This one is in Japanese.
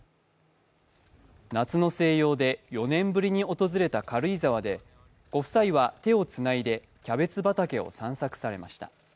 夏の静養で４年ぶりに訪れた軽井沢でご夫妻は手をつないでキャベツ畑を散策されました。